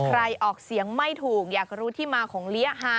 ออกเสียงไม่ถูกอยากรู้ที่มาของเลี้ยฮา